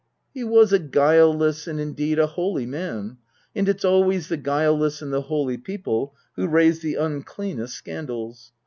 He was a guileless and indeed a holy man ; and it's always the guileless and the holy people who raise the uncleanest scandals.